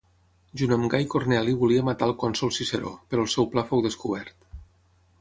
Junt amb Gai Corneli volia matar al cònsol Ciceró, però el seu pla fou descobert.